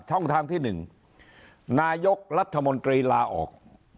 ช่องทางที่๑นายกรัฐมนตรีลาออก